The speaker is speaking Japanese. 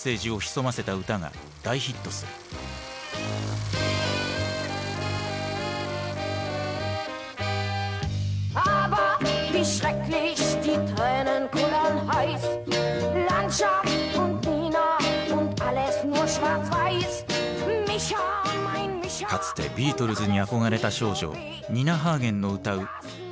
かつてビートルズに憧れた少女ニナ・ハーゲンの歌う